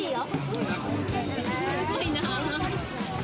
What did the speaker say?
すごいなー。